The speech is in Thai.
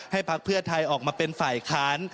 พักเพื่อไทยออกมาเป็นฝ่ายค้าน